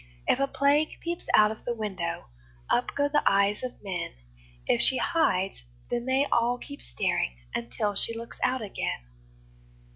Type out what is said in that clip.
If a Plague peeps out of the window, Up go the eyes of men; If she hides, then they all keep staring Until she looks out again.